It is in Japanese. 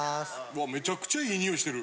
うわめちゃくちゃ良いにおいしてる。